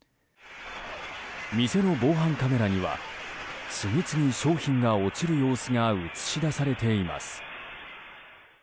店の防犯カメラには次々、商品が落ちる様子が映し出されています。